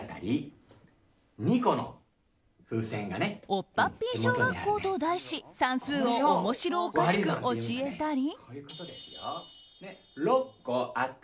「おっぱっぴー小学校」と題し算数を面白おかしく教えたり。